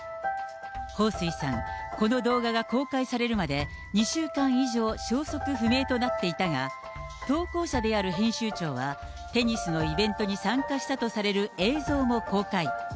彭帥さん、この動画が公開されるまで、２週間以上消息不明となっていたが、投稿者である編集長は、テニスのイベントに参加したとされる映像も公開。